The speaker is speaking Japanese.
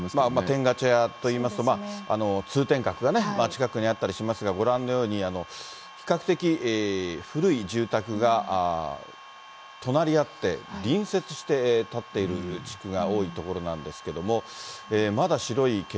天下茶屋といいますとね、通天閣がね、近くにあったりしますが、ご覧のように比較的、古い住宅が隣り合って、隣接して建っている地区が多い所なんですけども。